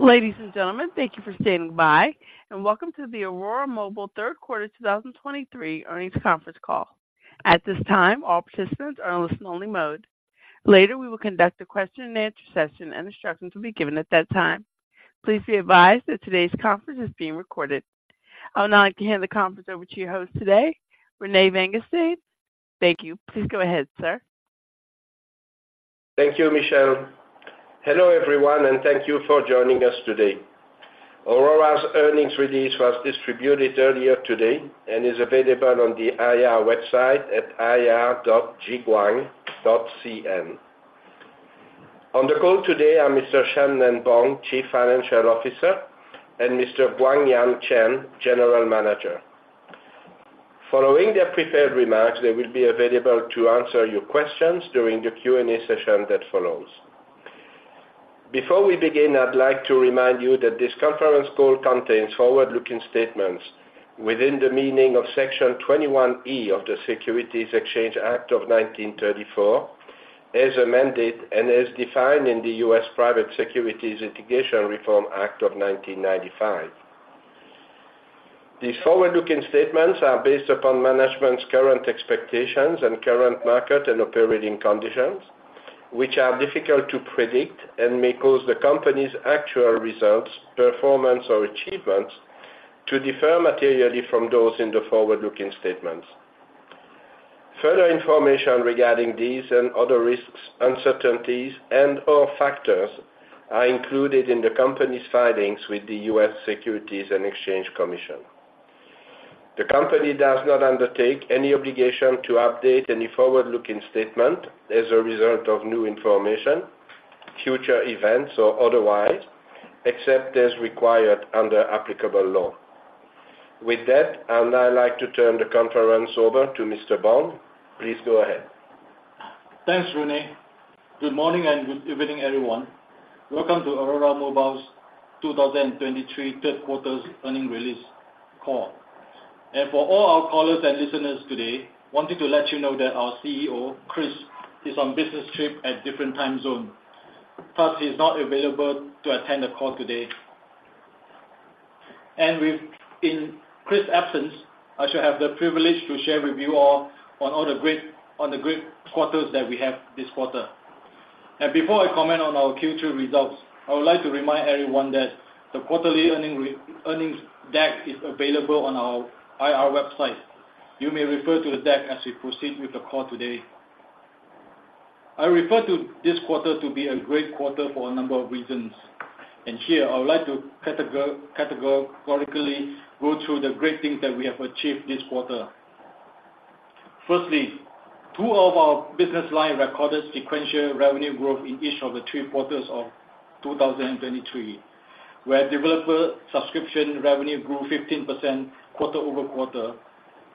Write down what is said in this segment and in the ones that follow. Ladies and gentlemen, thank you for standing by, and welcome to the Aurora Mobile third quarter 2023 earnings conference call. At this time, all participants are on listen-only mode. Later, we will conduct a question and answer session, and instructions will be given at that time. Please be advised that today's conference is being recorded. I would now like to hand the conference over to your host today, René Vanguestaine. Thank you. Please go ahead, sir. Thank you, Michelle. Hello, everyone, and thank you for joining us today. Aurora's earnings release was distributed earlier today and is available on the IR website at ir.jiguang.cn. On the call today are Mr. Shan-Nen Bong, Chief Financial Officer, and Mr. Guangyan Chen, General Manager. Following their prepared remarks, they will be available to answer your questions during the Q&A session that follows. Before we begin, I'd like to remind you that this conference call contains forward-looking statements within the meaning of Section 21E of the Securities Exchange Act of 1934, as amended and as defined in the U.S. Private Securities Litigation Reform Act of 1995. These forward-looking statements are based upon management's current expectations and current market and operating conditions, which are difficult to predict and may cause the company's actual results, performance, or achievements to differ materially from those in the forward-looking statements. Further information regarding these and other risks, uncertainties, and/or factors are included in the company's filings with the U.S. Securities and Exchange Commission. The company does not undertake any obligation to update any forward-looking statement as a result of new information, future events, or otherwise, except as required under applicable law. With that, I would now like to turn the conference over to Mr. Bong. Please go ahead. Thanks, René. Good morning and good evening, everyone. Welcome to Aurora Mobile's 2023 third quarter earnings release call. For all our callers and listeners today, wanted to let you know that our CEO, Chris, is on business trip at different time zone, thus he's not available to attend the call today. In Chris' absence, I shall have the privilege to share with you all on all the great, on the great quarters that we have this quarter. Before I comment on our Q2 results, I would like to remind everyone that the quarterly earnings deck is available on our IR website. You may refer to the deck as we proceed with the call today. I refer to this quarter to be a great quarter for a number of reasons, and here I would like to categorically go through the great things that we have achieved this quarter. Firstly, two of our business line recorded sequential revenue growth in each of the three quarters of 2023, where developer subscription revenue grew 15% quarter-over-quarter.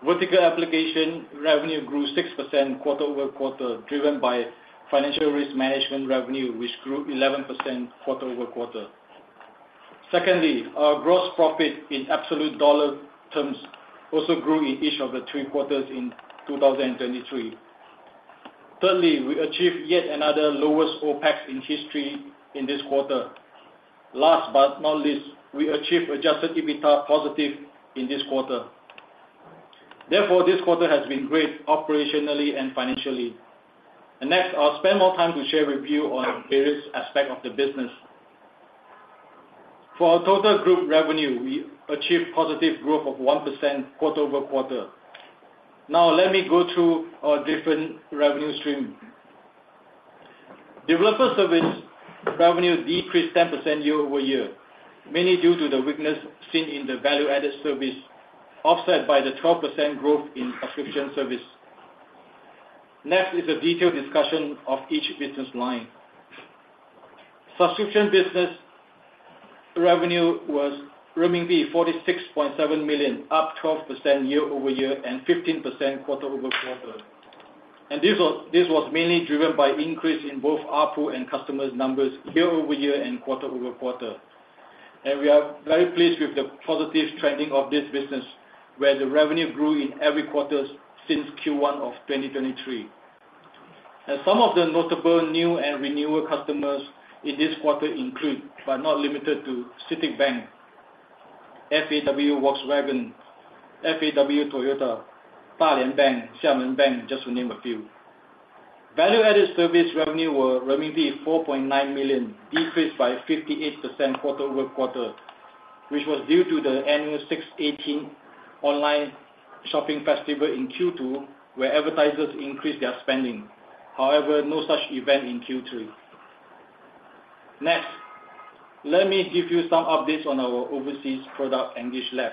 Vertical application revenue grew 6% quarter-over-quarter, driven by financial risk management revenue, which grew 11% quarter-over-quarter. Secondly, our gross profit in absolute dollar terms also grew in each of the three quarters in 2023. Thirdly, we achieved yet another lowest OpEx in history in this quarter. Last but not least, we achieved adjusted EBITDA positive in this quarter. Therefore, this quarter has been great operationally and financially. Next, I'll spend more time to share with you on various aspect of the business. For our total group revenue, we achieved positive growth of 1% quarter-over-quarter. Now, let me go through our different revenue stream. Developer service revenue decreased 10% year-over-year, mainly due to the weakness seen in the value-added service, offset by the 12% growth in subscription service. Next is a detailed discussion of each business line. Subscription business revenue was renminbi 46.7 million, up 12% year-over-year and 15% quarter-over-quarter. This was, this was mainly driven by increase in both ARPU and customers numbers year-over-year and quarter-over-quarter. We are very pleased with the positive trending of this business, where the revenue grew in every quarter since Q1 of 2023. Some of the notable new and renewal customers in this quarter include, but not limited to, Citibank, FAW Volkswagen, FAW Toyota, Dalian Bank, Xiamen Bank, just to name a few. Value-added service revenue were renminbi 4.9 million, decreased by 58% quarter-over-quarter, which was due to the annual 618 online shopping festival in Q2, where advertisers increased their spending. However, no such event in Q3. Next, let me give you some updates on our overseas product, EngageLab. We have,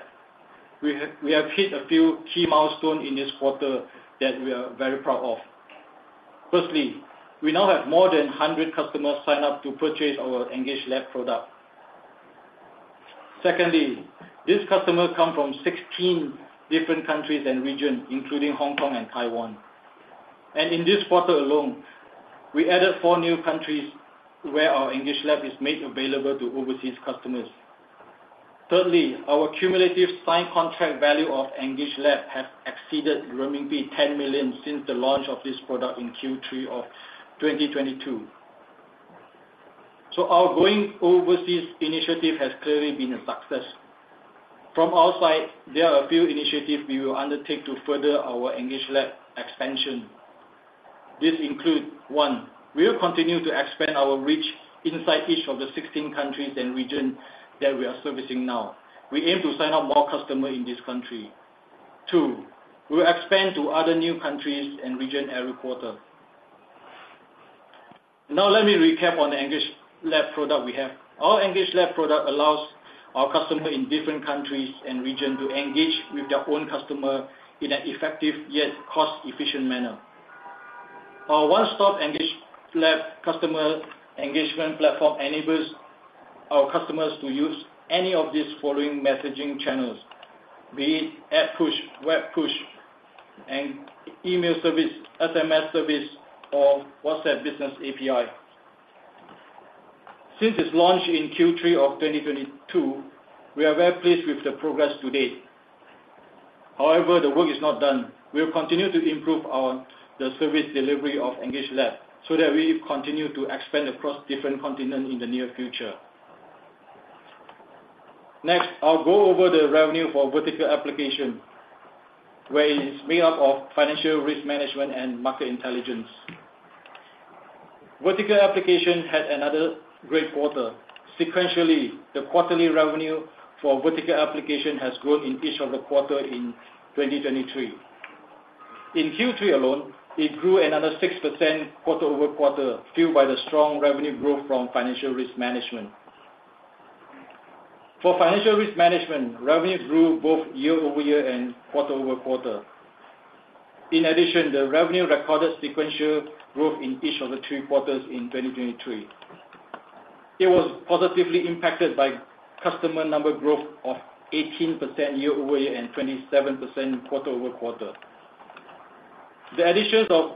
we have hit a few key milestone in this quarter that we are very proud of. Firstly, we now have more than 100 customers sign up to purchase our EngageLab product. Secondly, these customers come from 16 different countries and regions, including Hong Kong and Taiwan. And in this quarter alone, we added four new countries where our EngageLab is made available to overseas customers.... Thirdly, our cumulative signed contract value of EngageLab has exceeded renminbi 10 million since the launch of this product in Q3 of 2022. So our going overseas initiative has clearly been a success. From our side, there are a few initiatives we will undertake to further our EngageLab expansion. This includes, one, we'll continue to expand our reach inside each of the 16 countries and regions that we are servicing now. We aim to sign up more customers in these countries. Two, we'll expand to other new countries and regions every quarter. Now, let me recap on the EngageLab product we have. Our EngageLab product allows our customers in different countries and regions to engage with their own customers in an effective, yet cost-efficient manner. Our one-stop EngageLab customer engagement platform enables our customers to use any of these following messaging channels, be it app push, web push, and email service, SMS service, or WhatsApp Business API. Since its launch in Q3 of 2022, we are very pleased with the progress to date. However, the work is not done. We'll continue to improve the service delivery of EngageLab, so that we continue to expand across different continents in the near future. Next, I'll go over the revenue for vertical application, where it is made up of financial risk management and market intelligence. Vertical application had another great quarter. Sequentially, the quarterly revenue for vertical application has grown in each of the quarters in 2023. In Q3 alone, it grew another 6% quarter-over-quarter, fueled by the strong revenue growth from financial risk management. For financial risk management, revenue grew both year-over-year and quarter-over-quarter. In addition, the revenue recorded sequential growth in each of the 3 quarters in 2023. It was positively impacted by customer number growth of 18% year-over-year and 27% quarter-over-quarter. The additions of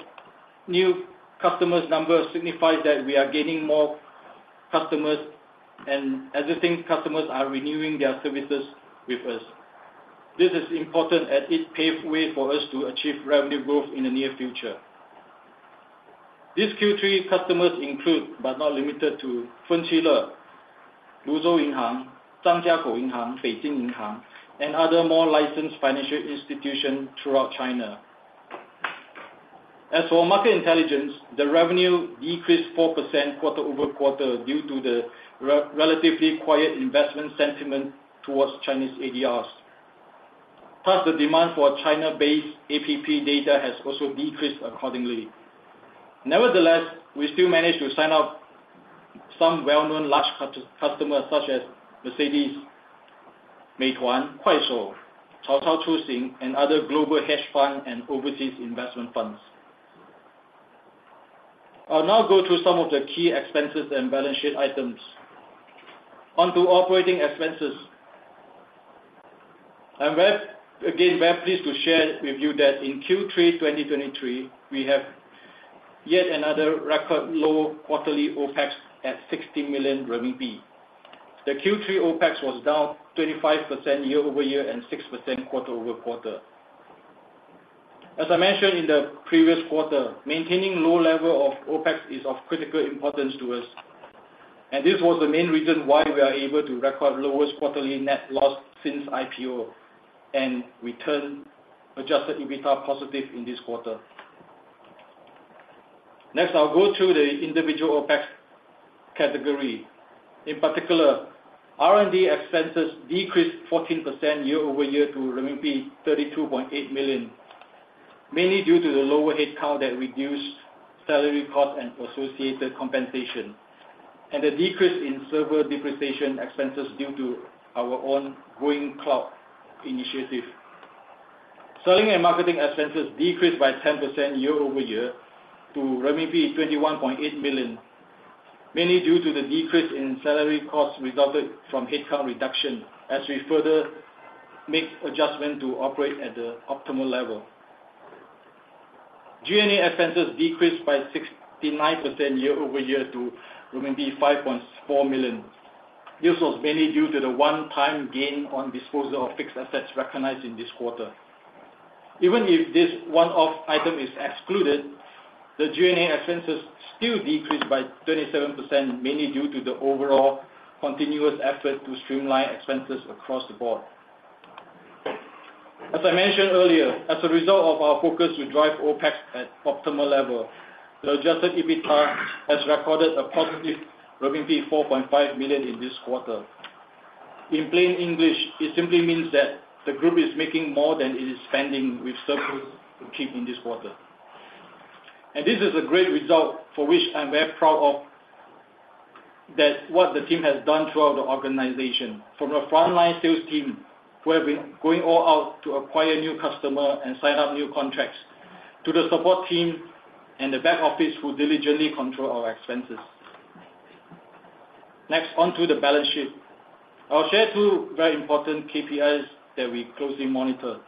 new customers numbers signifies that we are gaining more customers, and existing customers are renewing their services with us. This is important as it pave way for us to achieve revenue growth in the near future. These Q3 customers include, but not limited to, Fenqile, Luzhou Bank, Zhangjiakou Bank, Beijing Bank, and other more licensed financial institutions throughout China. As for market intelligence, the revenue decreased 4% quarter-over-quarter due to the relatively quiet investment sentiment towards Chinese ADRs, plus the demand for China-based app data has also decreased accordingly. Nevertheless, we still managed to sign up some well-known large customers such as Mercedes, Meituan, Kuaishou, Cao Cao Chuxing 出 行, and other global hedge fund and overseas investment funds. I'll now go through some of the key expenses and balance sheet items. Onto operating expenses. I'm very, again, very pleased to share with you that in Q3 2023, we have yet another record low quarterly OpEx at 60 million RMB. The Q3 OpEx was down 25% year-over-year and 6% quarter-over-quarter. As I mentioned in the previous quarter, maintaining low level of OpEx is of critical importance to us, and this was the main reason why we are able to record lowest quarterly net loss since IPO and return Adjusted EBITDA positive in this quarter. Next, I'll go through the individual OpEx category. In particular, R&D expenses decreased 14% year-over-year to renminbi 32.8 million, mainly due to the lower headcount that reduced salary cost and associated compensation, and a decrease in server depreciation expenses due to our own growing cloud initiative. Selling and marketing expenses decreased by 10% year-over-year to RMB 21.8 million, mainly due to the decrease in salary costs resulted from headcount reduction as we further make adjustment to operate at the optimal level. G&A expenses decreased by 69% year-over-year to 5.4 million. This was mainly due to the one-time gain on disposal of fixed assets recognized in this quarter. Even if this one-off item is excluded, the G&A expenses still decreased by 27%, mainly due to the overall continuous effort to streamline expenses across the board. As I mentioned earlier, as a result of our focus to drive OpEx at optimal level, the adjusted EBITDA has recorded a positive 4.5 million in this quarter. In plain English, it simply means that the group is making more than it is spending, with surplus to keep in this quarter. This is a great result for which I'm very proud of, that what the team has done throughout the organization. From the frontline sales team, who have been going all out to acquire new customer and sign up new contracts, to the support team and the back office, who diligently control our expenses. Next, on to the balance sheet. I'll share two very important KPIs that we closely monitor.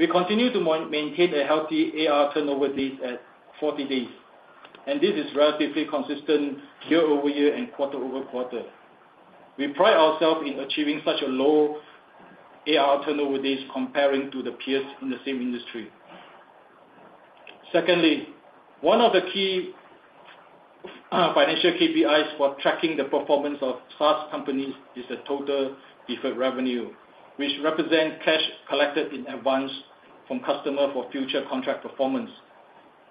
We continue to maintain a healthy AR turnover days at 40 days, and this is relatively consistent year-over-year and quarter-over-quarter. We pride ourselves in achieving such a low AR turnover days comparing to the peers in the same industry. Secondly, one of the key, financial KPIs for tracking the performance of SaaS companies is the total deferred revenue, which represent cash collected in advance from customer for future contract performance,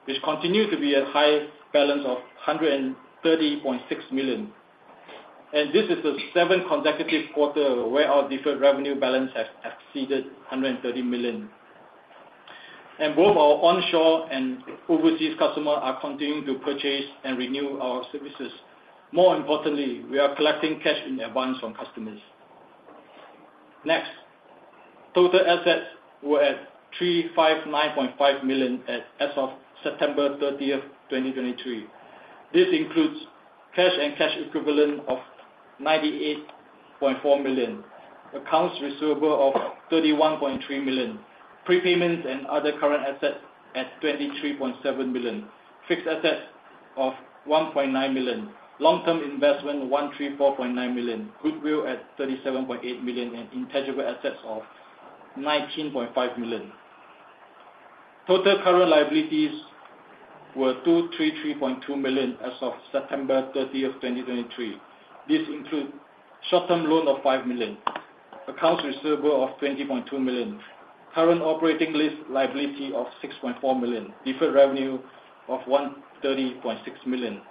which continue to be a high balance of $130.6 million. This is the seventh consecutive quarter where our deferred revenue balance has exceeded $130 million. Both our onshore and overseas customer are continuing to purchase and renew our services. More importantly, we are collecting cash in advance from customers. Next, total assets were at $359.5 million as of September thirtieth, 2023. This includes cash and cash equivalents of $98.4 million, accounts receivable of $31.3 million, prepayments and other current assets at $23.7 million, fixed assets of $1.9 million, long-term investments of $134.9 million, goodwill at $37.8 million, and intangible assets of $19.5 million. Total current liabilities were $233.2 million as of September 30, 2023. This includes short-term loan of $5 million, accounts receivable of $20.2 million, current operating lease liability of $6.4 million, deferred revenue of $130.6 million,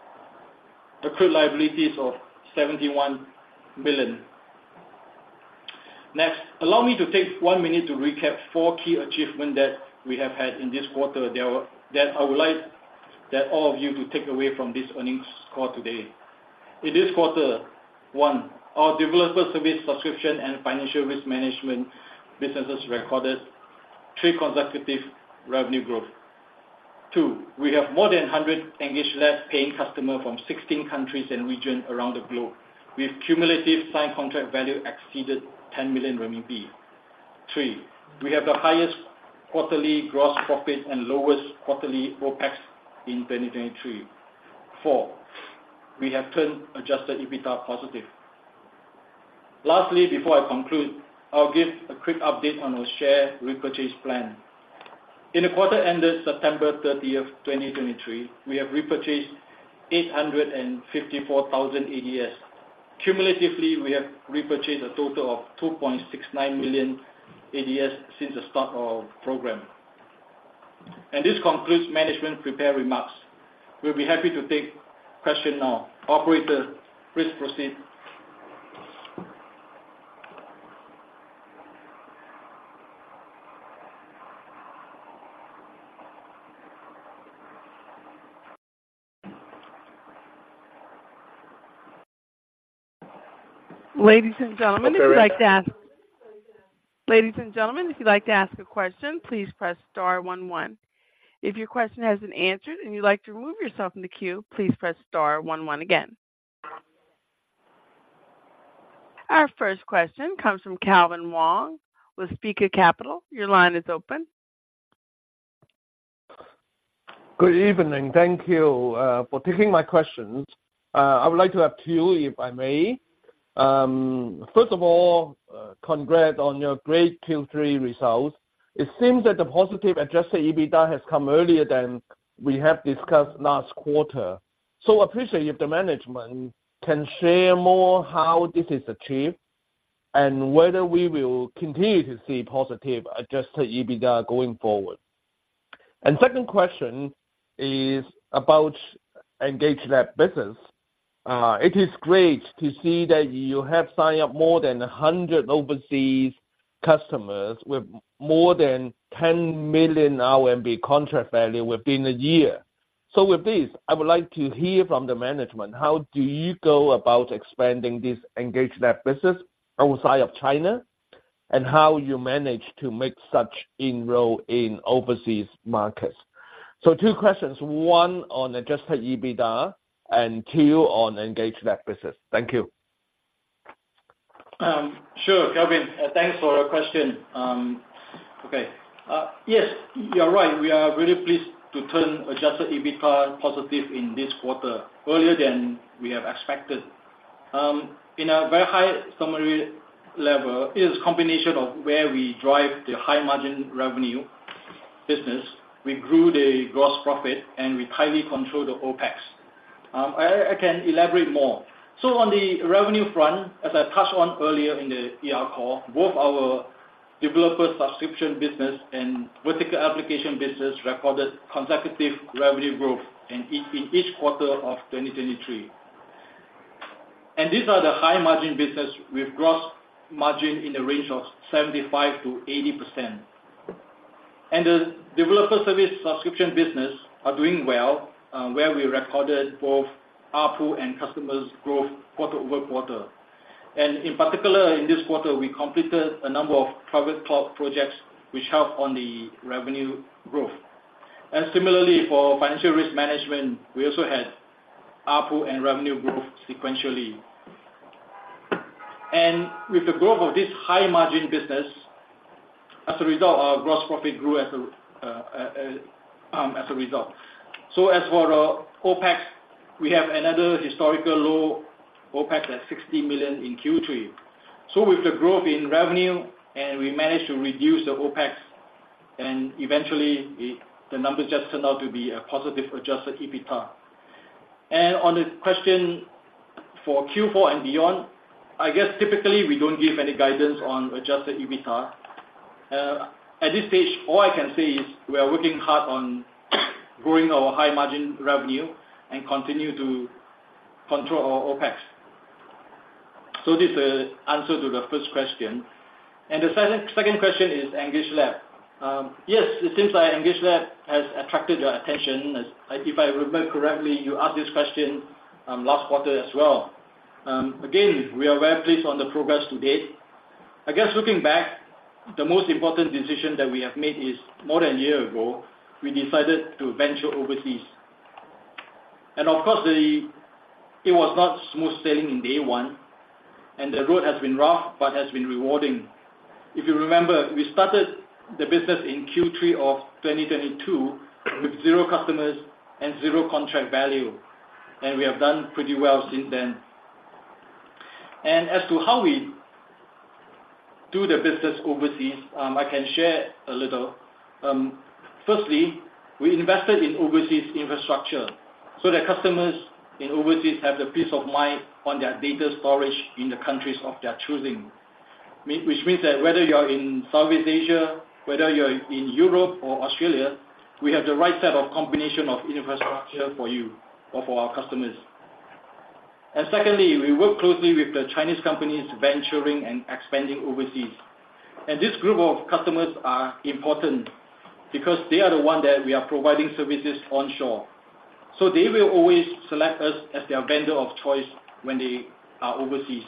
accrued liabilities of $71 million. Next, allow me to take one minute to recap four key achievements that we have had in this quarter that I would like all of you to take away from this earnings call today. In this quarter, 1, our developer service subscription and financial risk management businesses recorded three consecutive revenue growth. 2, we have more than 100 EngageLab paying customers from 16 countries and regions around the globe, with cumulative signed contract value exceeded 10 million renminbi. 3, we have the highest quarterly gross profit and lowest quarterly OpEx in 2023. 4, we have turned Adjusted EBITDA positive. Lastly, before I conclude, I'll give a quick update on our share repurchase plan. In the quarter ended September 30, 2023, we have repurchased 854,000 ADS. Cumulatively, we have repurchased a total of 2.69 million ADS since the start of our program. This concludes management prepared remarks. We'll be happy to take questions now. Operator, please proceed. Ladies and gentlemen, if you'd like to ask a question, please press star one, one. If your question hasn't answered and you'd like to remove yourself from the queue, please press star one, one again. Our first question comes from Calvin Wong with Spica Capital. Your line is open. Good evening. Thank you for taking my questions. I would like to have two, if I may. First of all, congrats on your great Q3 results. It seems that the positive adjusted EBITDA has come earlier than we have discussed last quarter. So appreciate if the management can share more how this is achieved and whether we will continue to see positive adjusted EBITDA going forward. And second question is about EngageLab business. It is great to see that you have signed up more than 100 overseas customers with more than 10 million RMB contract value within a year. So with this, I would like to hear from the management, how do you go about expanding this EngageLab business outside of China? And how you manage to make such inroads in overseas markets? Two questions, one on Adjusted EBITDA and two on EngageLab business. Thank you. Sure, Calvin, thanks for your question. Okay. Yes, you're right. We are very pleased to turn Adjusted EBITDA positive in this quarter, earlier than we have expected. In a very high summary level, it is a combination of where we drive the high-margin revenue business. We grew the gross profit, and we tightly control the OpEx. I can elaborate more. So on the revenue front, as I touched on earlier in the ER call, both our developer subscription business and vertical application business recorded consecutive revenue growth in each quarter of 2023. And these are the high-margin business with gross margin in the range of 75%-80%. And the developer service subscription business are doing well, where we recorded both ARPU and customers growth quarter-over-quarter. In particular, in this quarter, we completed a number of private cloud projects, which helped on the revenue growth. And similarly, for Financial Risk Management, we also had ARPU and revenue growth sequentially. And with the growth of this high-margin business, as a result, our gross profit grew as a result. So as for our OpEx, we have another historical low OpEx at 60 million in Q3. So with the growth in revenue, and we managed to reduce the OpEx, and eventually, the numbers just turned out to be a positive Adjusted EBITDA. And on the question for Q4 and beyond, I guess, typically, we don't give any guidance on Adjusted EBITDA. At this stage, all I can say is we are working hard on growing our high-margin revenue and continue to control our OpEx. So this is answer to the first question. And the second, second question is EngageLab. Yes, it seems like EngageLab has attracted your attention. As if I remember correctly, you asked this question, last quarter as well. Again, we are very pleased on the progress to date. I guess, looking back, the most important decision that we have made is more than a year ago, we decided to venture overseas. And, of course, it was not smooth sailing in day one, and the road has been rough, but has been rewarding. If you remember, we started the business in Q3 of 2022, with zero customers and zero contract value, and we have done pretty well since then. And as to how we do the business overseas, I can share a little. Firstly, we invested in overseas infrastructure, so the customers in overseas have the peace of mind on their data storage in the countries of their choosing. Which means that whether you're in Southeast Asia, whether you're in Europe or Australia, we have the right set of combination of infrastructure for you or for our customers. And secondly, we work closely with the Chinese companies venturing and expanding overseas. And this group of customers are important because they are the ones that we are providing services onshore. So they will always select us as their vendor of choice when they are overseas,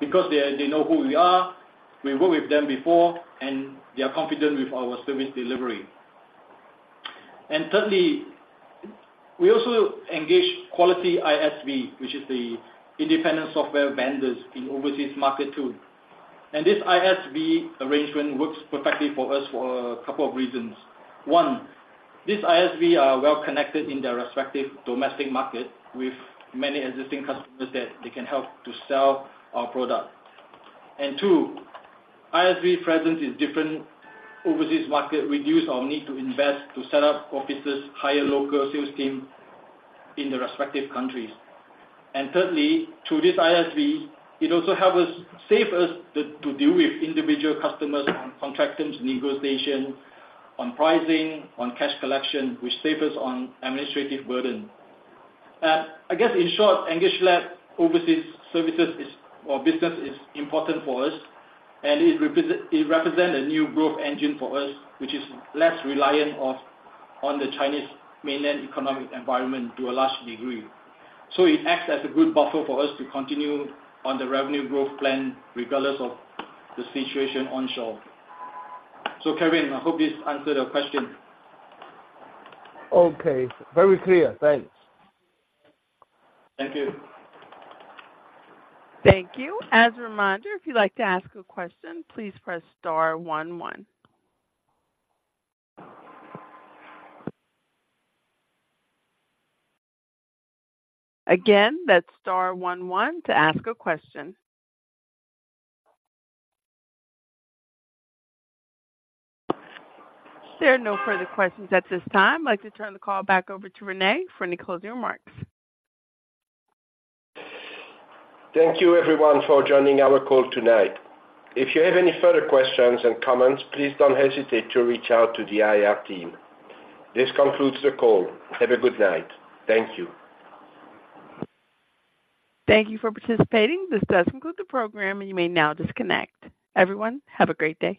because they, they know who we are, we've worked with them before, and they are confident with our service delivery. And thirdly, we also engage quality ISV, which is the independent software vendors in overseas market, too. And this ISV arrangement works perfectly for us for a couple of reasons. One, this ISV are well connected in their respective domestic market, with many existing customers that they can help to sell our product. And two, ISV presence in different overseas market reduce our need to invest, to set up offices, hire local sales team in the respective countries. And thirdly, through this ISV, it also help us, save us to, to deal with individual customers on contract terms, negotiation, on pricing, on cash collection, which save us on administrative burden. I guess, in short, EngageLab overseas services is, or business is important for us, and it represe- it represent a new growth engine for us, which is less reliant of, on the Chinese mainland economic environment to a large degree. So it acts as a good buffer for us to continue on the revenue growth plan, regardless of the situation onshore. So, Calvin, I hope this answered your question. Okay, very clear. Thanks. Thank you. Thank you. As a reminder, if you'd like to ask a question, please press star one, one. Again, that's star one, one to ask a question. There are no further questions at this time. I'd like to turn the call back over to René for any closing remarks. Thank you, everyone, for joining our call tonight. If you have any further questions and comments, please don't hesitate to reach out to the IR team. This concludes the call. Have a good night. Thank you. Thank you for participating. This does conclude the program, and you may now disconnect. Everyone, have a great day.